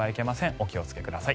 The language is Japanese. お気をつけください。